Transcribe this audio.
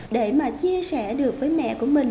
để mà chia sẻ được với mẹ của mình